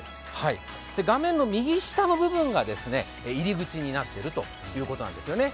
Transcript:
画面の右下の部分が入り口になっているということなんですよね。